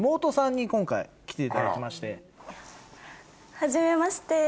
はじめまして。